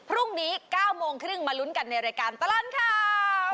พรุ่งนี้๙โมงครึ่งมาลุ้นกันในรายการตลอดข่าว